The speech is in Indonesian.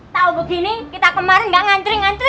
tau begini kita kemarin ga ngantri ngantri